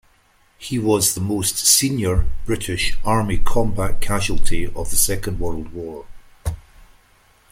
He was the most senior British Army combat casualty of the Second World War.